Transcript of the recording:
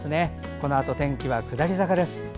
このあと、天気は下り坂です。